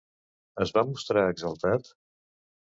Es va mostrar exaltat?